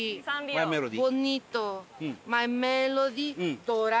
マイメロディ。